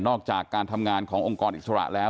ออกจากการทำงานขององค์กรอิสระแล้ว